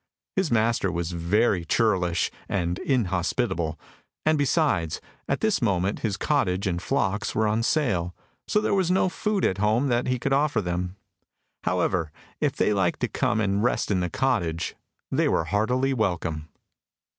His master was very churlish and inhospitable, and, besides, at this moment his cottage and flocks were on sale, so there was no food at home that he could offer them. However, if they liked to come and rest in the cottage, they were heartily welcome.